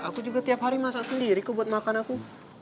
aku juga tiap hari masak sendiri kok buat makan aku